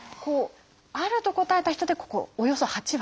「ある」と答えた人でここおよそ８割。